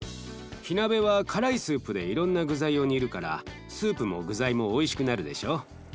火鍋は辛いスープでいろんな具材を煮るからスープも具材もおいしくなるでしょ。